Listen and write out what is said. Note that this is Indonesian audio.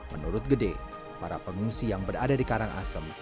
menurut gede para pengungsi yang berada di karangasem